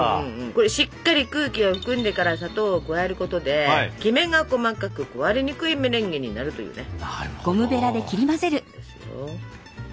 これしっかり空気を含んでから砂糖を加えることでキメが細かく壊れにくいメレンゲになるというね。